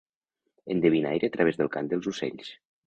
Endevinaire a través del cant dels ocells.